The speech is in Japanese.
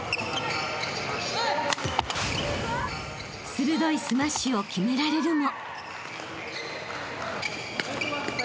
［鋭いスマッシュを決められるも］